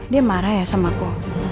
dia marah ya sama aku